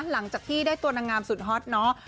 หลังจากที่ได้ตัวนางงามสุดฮอตเนาะ